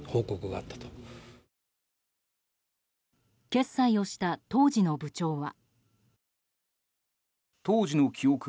決裁をした当時の部長は。